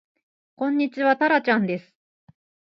こんにちはたらちゃんです